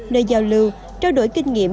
nơi giao lưu trao đổi kinh nghiệm